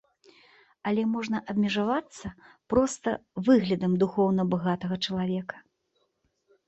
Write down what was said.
Але можна абмежавацца проста выглядам духоўна багатага чалавека.